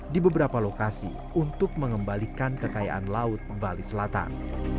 di beberapa lokasi untuk mengembalikan kekayaan laut bali selatan